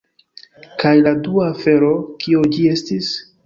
Kaj la dua afero... kio ĝi estis?